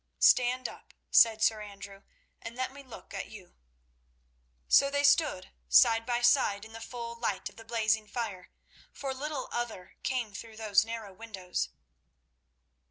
"Stand up," said Sir Andrew, "and let me look at you." So they stood side by side in the full light of the blazing fire, for little other came through those narrow windows.